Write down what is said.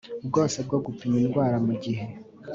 bwose bwo gupima indwara mu gihe